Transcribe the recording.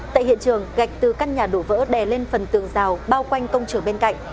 tại hiện trường gạch từ căn nhà đổ vỡ đè lên phần tường rào bao quanh công trường bên cạnh